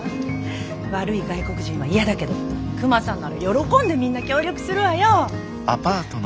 悪い外国人は嫌だけどクマさんなら喜んでみんな協力するわよ！